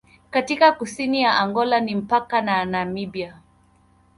Katika kusini ya Angola ni mpaka na Namibia.